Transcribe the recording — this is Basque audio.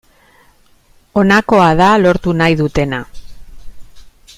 Honakoa da lortu nahi dutena.